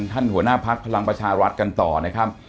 ท่านหัวหน้าพักพลังประชารัฐกันต่อนะครับ